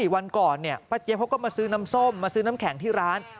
วันก่อนป้าเจี๊ยเขาก็มาซื้อน้ำส้มมาซื้อน้ำแข็งที่ร้าน